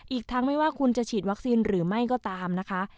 อีกทั้งไม่ว่าคุณจะฉีดวัคซีนหรือไม่ก็ตามนะคะ